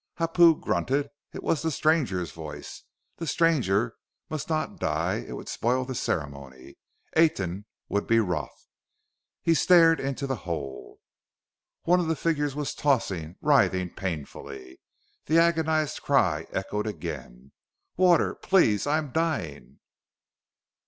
Hapu grunted. It was the stranger's voice. The stranger must not die; it would spoil the ceremony; Aten would be wroth. He stared into the hole. One of the figures was tossing, writhing painfully. The agonized cry echoed again. "Water! Please! I am dying!"